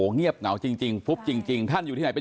เงียบเหงาจริงฟุบจริงท่านอยู่ที่ไหนเป็น